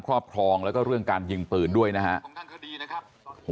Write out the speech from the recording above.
ครอบครองแล้วก็เรื่องการยิงปืนด้วยนะฮะค่อนข้างคือดีนะครับ